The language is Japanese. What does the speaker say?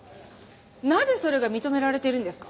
なぜそれが認められてるんですか？